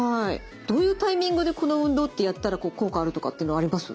どういうタイミングでこの運動ってやったら効果あるとかっていうのあります？